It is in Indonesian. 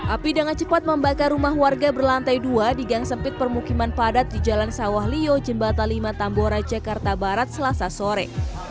api dengan cepat membakar rumah warga berlantai dua di gang sempit permukiman padat di jalan sawah lio jembatan lima tambora jakarta barat selasa sore